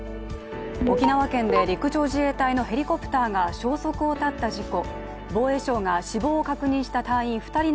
沖縄県で陸上自衛隊のヘリコプターが消息を絶った事故。